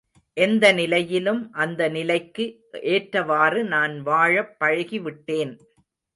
எந்த நிலையிலும் அந்த நிலைக்கு ஏற்றவாறு நான் வாழப் பழகிவிட்டேன்.